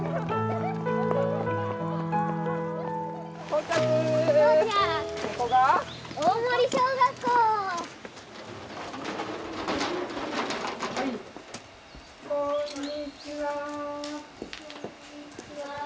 こんにちは。